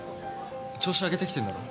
調子上げてきてんだろ？